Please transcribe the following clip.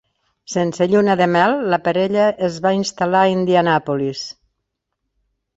Sense lluna de mel, la parella es va instal·lar a Indianapolis.